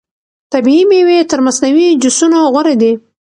طبیعي مېوې تر مصنوعي جوسونو غوره دي.